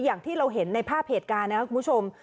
อย่างที่เราเห็นในภาพเหตุการณ์นะครับคุณผู้ชม